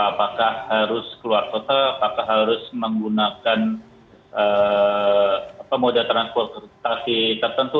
apakah harus keluar kota apakah harus menggunakan moda transportasi tertentu